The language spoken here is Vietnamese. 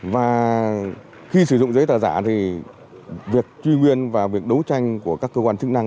và khi sử dụng giấy tờ giả thì việc truy nguyên và việc đấu tranh của các cơ quan chức năng